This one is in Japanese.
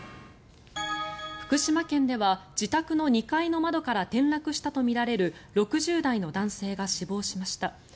福島県では自宅の２階の窓から転落したとみられる６０代の男性が死亡しました。